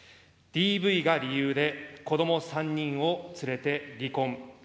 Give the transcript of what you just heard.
ＤＶが理由で子ども３人を連れて離婚。